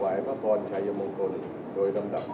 สวัสดีครับสวัสดีครับสวัสดีครับ